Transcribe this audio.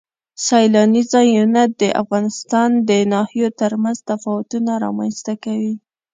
سیلانی ځایونه د افغانستان د ناحیو ترمنځ تفاوتونه رامنځ ته کوي.